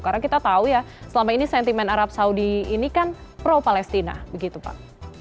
karena kita tahu ya selama ini sentimen arab saudi ini kan pro palestina begitu pak